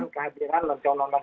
kehadiran lancar undang undang